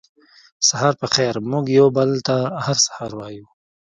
سهار پخېر موږ یو بل ته هر سهار وایو